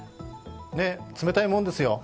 ええ、冷たいもんですよ。